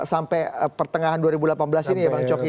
sampai pertengahan dua ribu delapan belas ini ya bang coki